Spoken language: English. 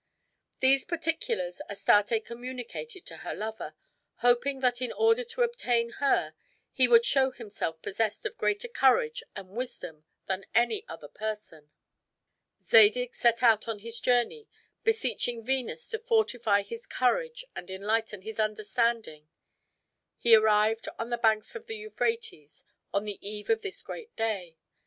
These particulars Astarte communicated to her lover, hoping that in order to obtain her he would show himself possessed of greater courage and wisdom than any other person. Zadig set out on his journey, beseeching Venus to fortify his courage and enlighten his understanding. He arrived on the banks of the Euphrates on the eve of this great day.